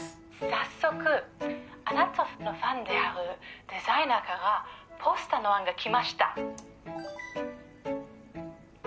「早速あなたのファンであるデザイナーからポスターの案が来ました」